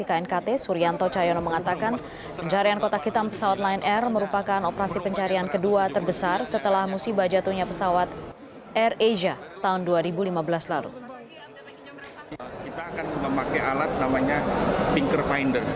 kita akan memakai alat namanya pinker finder